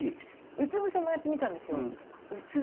うつぶせもやってみたんですよ。